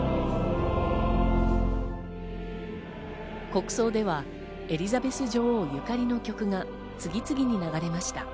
国葬ではエリザベス女王ゆかりの曲が次々に流れました。